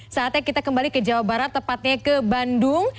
saatnya kita kembali ke jawa barat tepatnya ke bandung